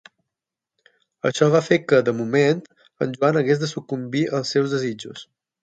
Això va fer que, de moment, en Joan hagués de sucumbir als seus desitjos.